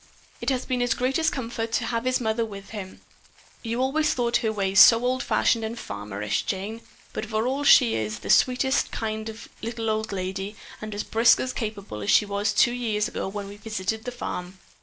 It has been his greatest comfort to have his mother with him. You always thought her ways so old fashioned and farmerish, Jane, but for all that she is the sweetest kind of a little old lady and as brisk and capable as she was two years ago when we visited the farm."